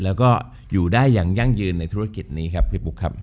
แล้วก็อยู่ได้อย่างยั่งยืนในธุรกิจนี้ครับพี่บุ๊คครับ